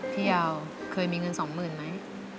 พี่ยาวเคยมีเงินสองหมื่นมั้ย